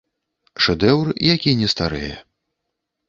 Шэдэўр, які не старэе.